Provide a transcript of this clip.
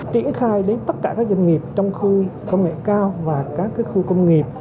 triển khai đến tất cả các doanh nghiệp trong khu công nghệ cao và các khu công nghiệp